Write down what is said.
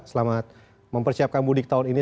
selamat mempersiapkan mudik tahun ini